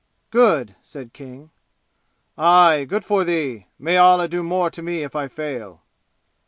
"Good!" said King. "Aye, good for thee! May Allah do more to me if I fail!"